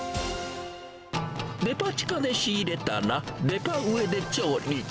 デパ地下で仕入れたらデパ上で調理。